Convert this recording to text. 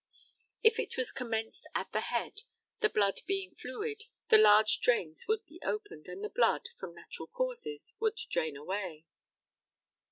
If it was commenced at the head, the blood being fluid, the large drains would be opened, and the blood, from natural causes, would drain away.